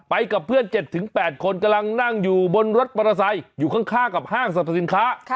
เปล่าเพื่อน๗ถึง๘คนกำลังนั่งอยู่บนรถเบาะทะไซค์อยู่ข้างกับห้างสรรพสินค้า